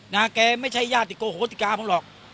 น้าแกไม่ใช่ยาติโกโฮติกาพวกหรอก